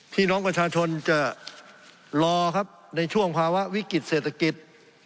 พี่น้องประชาชนจะรอครับในช่วงภาวะวิกฤติเศรษฐกิจ